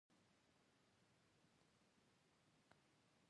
د فراه په قلعه کاه کې د مالګې نښې شته.